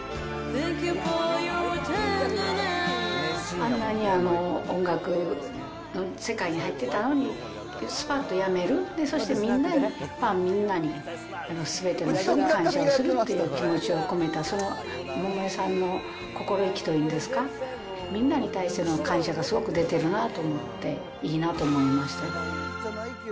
あんなに音楽の世界にいたのに、すぱっと辞める、そしてみんなに、ファンみんなに、すべての人に感謝をするっていう気持ちを込めた、その百恵さんの心意気というんですか、みんなに対する感謝がすごく出てるなと思って、いいなと思いましたね。